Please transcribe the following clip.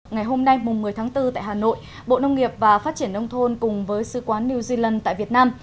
ngày hôm nay một mươi tháng bốn tại hà nội bộ nông nghiệp và phát triển nông thôn cùng với sư quán new zealand tại việt nam